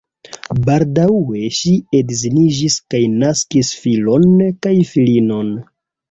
Baldaŭe ŝi edziniĝis kaj naskis filon kaj filinon.